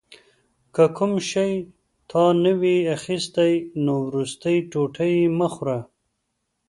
که کوم شی تا نه وي اخیستی نو وروستی ټوټه یې مه خوره.